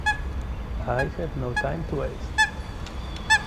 I have no time to waste.